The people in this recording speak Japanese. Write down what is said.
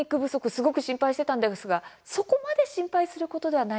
すごく心配してたんですがそこまで心配することではないかもしれないですか。